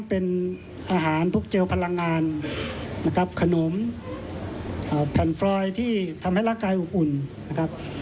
พันธุ์พลังงานขนมแผ่นฟรอยที่ทำให้รักกายอุ่นนะครับ